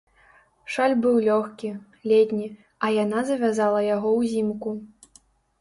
Шаль быў лёгкі, летні, а яна завязала яго ўзімку.